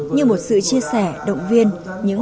như một sự chia sẻ động viên những